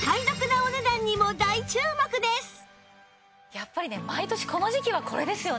やっぱりね毎年この時季はこれですよね。